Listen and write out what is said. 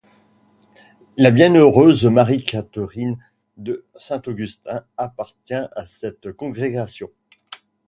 La bienheureuse Marie-Catherine de Saint-Augustin appartient à cette congrégation.